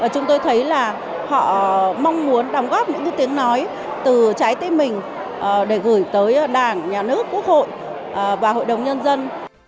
chúng tôi thấy là họ mong muốn đóng góp những tiếng nói từ trái tim mình để gửi tới đảng nhà nước quốc hội và hội đồng nhân dân